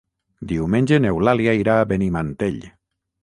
Diumenge n'Eulàlia irà a Benimantell.